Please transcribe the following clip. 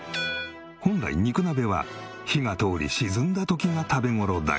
本来肉鍋は火が通り沈んだ時が食べ頃だが。